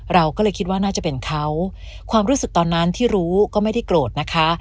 เราก็เลยคิดว่าน่าจะเป็นเขาความรู้สึกตอนนั้นที่รู้ก็ไม่ได้โกรธนะคะ